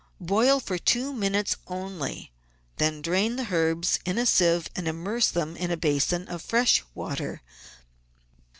Boil for two minutes only; then drain the herbs in a sieve and immerse them in a basin of fresh water.